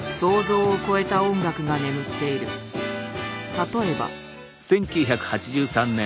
例えば。